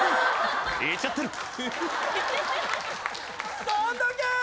いっちゃってるー。